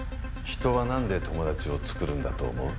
人はなんで友達を作るんだと思う？